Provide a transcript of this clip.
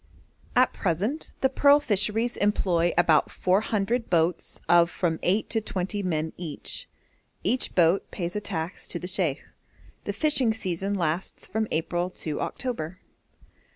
At present the pearl fisheries employ about four hundred boats of from eight to twenty men each. Each boat pays a tax to the sheikh. The fishing season lasts from April to October.